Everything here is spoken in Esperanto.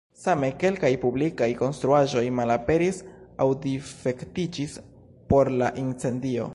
Same, kelkaj publikaj konstruaĵoj malaperis aŭ difektiĝis por la incendio.